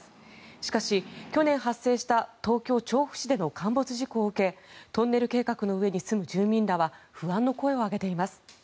しかし、去年発生した東京・調布市での陥没事故を受けトンネル計画の上に住む住民らは不安の声を上げています。